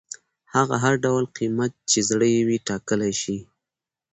هغه هر ډول قیمت چې یې زړه وي ټاکلی شي.